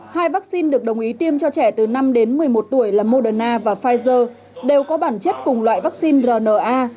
hai vaccine được đồng ý tiêm cho trẻ từ năm đến một mươi một tuổi là moderna và pfizer đều có bản chất cùng loại vaccine rna